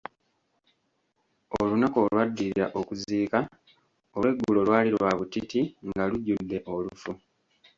Olunaku olwaddirira okuziika, olweggulo lwali lwa butiti nga lujjudde olufu.